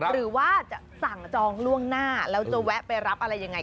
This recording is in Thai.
หรือว่าจะสั่งจองล่วงหน้าแล้วจะแวะไปรับอะไรยังไง